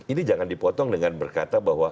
ini jangan dipotong dengan berkata bahwa